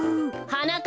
はなか